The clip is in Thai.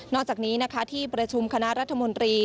อกจากนี้นะคะที่ประชุมคณะรัฐมนตรี